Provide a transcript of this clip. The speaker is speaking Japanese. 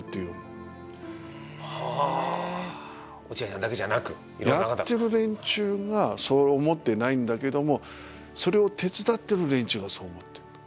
落合さんだけじゃなく？やってる連中がそう思ってないんだけどもそれを手伝ってる連中がそう思ってる。